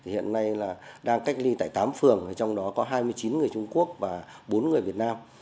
hiện nay đang cách ly tại tám phường trong đó có hai mươi chín người trung quốc và bốn người việt nam